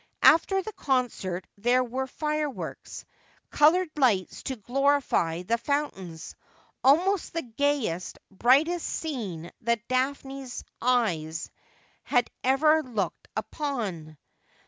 After the concert there were fireworks, coloured lights to glorify the fountains — almost the gayest, brightest scene that Daphne's eyes had ever looked upon.